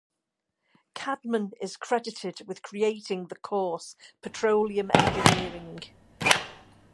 Cadman is credited with creating the course "Petroleum Engineering".